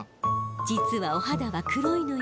実はお肌は黒いのよ。